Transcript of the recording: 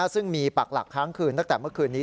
ซึ่งมีปากหลักค้างคืนตั้งแต่เมื่อคืนนี้